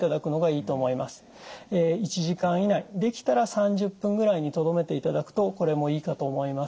１時間以内できたら３０分ぐらいにとどめていただくとこれもいいかと思います。